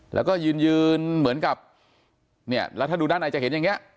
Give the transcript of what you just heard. แล้วก็ยืนยืนเหมือนกับเนี่ยแล้วถ้าดูด้านในจะเห็นอย่างนี้